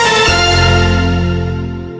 โปรดติดตามตอนต่อไป